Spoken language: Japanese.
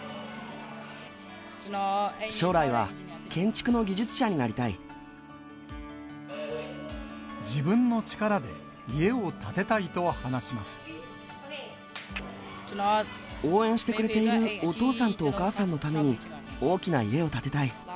将来は建築の技術者になりた自分の力で、家を建てたいと応援してくれているお父さんとお母さんのために、大きな家を建てたい。